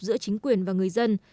giữa chính quyền và người dân